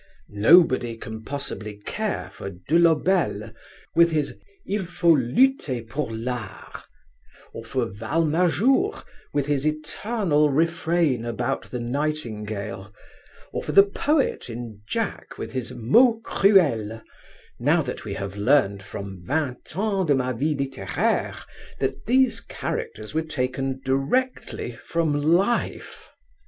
Nobody can possibly care for Delobelle with his "Il faut lutter pour l'art," or for Valmajour with his eternal refrain about the nightingale, or for the poet in Jack with his "mots cruels," now that we have learned from Vingt Ans de ma Vie littéraire that these characters were taken directly from life.